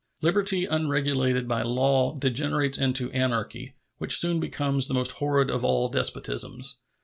Liberty unregulated by law degenerates into anarchy, which soon becomes the most horrid of all despotisms.